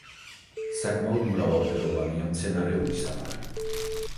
საკმაოდ მრავალფეროვანია მცენარეული საფარი.